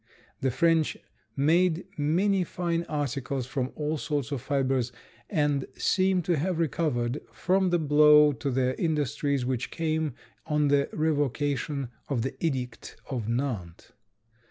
The French make many fine articles from all sorts of fibers, and seem to have recovered from the blow to their industries which came on the revocation of the Edict of Nantes.